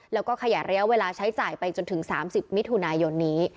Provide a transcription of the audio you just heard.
แล้วก็ขยายระยะเวลาใช้จ่ายไปจนถึง๓๐มิถุนายนนี้